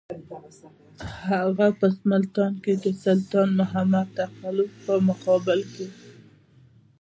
هغه په ملتان کې د سلطان محمد تغلق په مقابل کې.